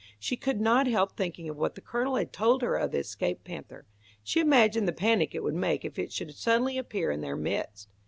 She could not help thinking of what the Colonel had told her of the escaped panther. She imagined the panic it would make if it should suddenly appear in their midst.